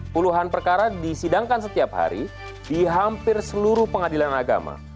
puluhan perkara disidangkan setiap hari di hampir seluruh pengadilan agama